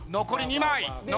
残り２枚。